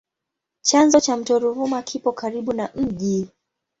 Chanzo cha mto Ruvuma kipo karibu na mji.